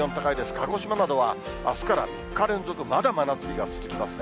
鹿児島などはあすから３日連続で、まだまだ暑い日が続きますね。